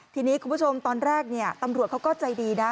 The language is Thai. ทีนี้คุณผู้ชมตอนแรกตำรวจเขาก็ใจดีนะ